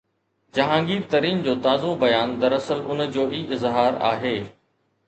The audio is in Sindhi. جهانگير ترين جو تازو بيان دراصل ان جو ئي اظهار آهي.